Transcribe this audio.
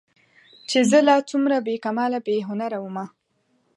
چې زه لا څومره بې کماله بې هنره ومه